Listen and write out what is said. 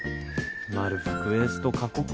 まるふクエスト過酷。